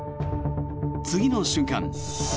次の瞬間